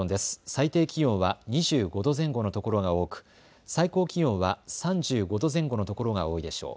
最低気温は２５度前後の所が多く最高気温は３５度前後の所が多いでしょう。